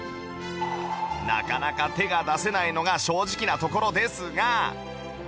なかなか手が出せないのが正直なところですが